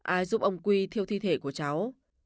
ai giúp ông quy thiêu thi thể của cháu